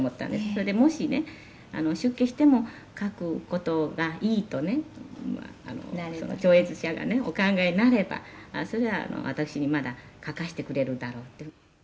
「それでもしね出家しても書く事がいいとね超越者がねお考えになればそれは私にまだ書かせてくれるだろうと」